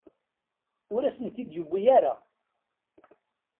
Ur asen-ten-id-yewwi ara.